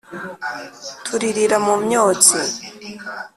Turirira mu myotsi